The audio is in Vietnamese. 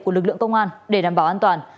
của lực lượng công an để đảm bảo an toàn